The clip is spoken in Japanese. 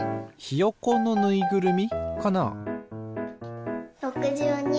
ひよこのぬいぐるみかな？